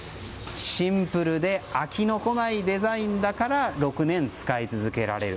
シンプルで飽きのこないデザインだから６年、使い続けられる。